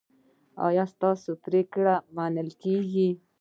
ایا ستاسو پریکړې به منل کیږي؟